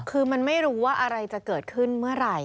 คือมันไม่รู้ว่าอะไรจะเกิดขึ้นเมื่อไหร่